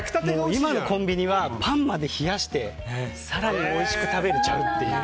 今のコンビニはパンまで冷やして更においしく食べるという。